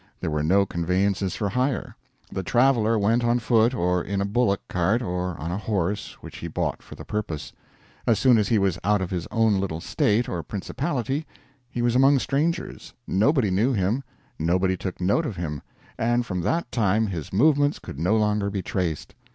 There were no conveyances for hire. The traveler went on foot or in a bullock cart or on a horse which he bought for the purpose. As soon as he was out of his own little State or principality he was among strangers; nobody knew him, nobody took note of him, and from that time his movements could no longer be traced.